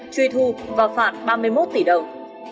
truy thu và phạt ba mươi một tỷ đồng